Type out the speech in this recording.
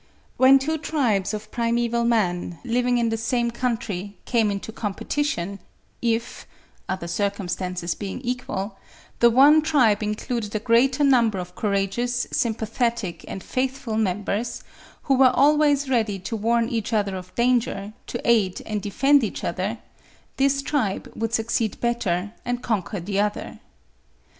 When two tribes of primeval man, living in the same country, came into competition, if (other circumstances being equal) the one tribe included a great number of courageous, sympathetic and faithful members, who were always ready to warn each other of danger, to aid and defend each other, this tribe would succeed better and conquer the other.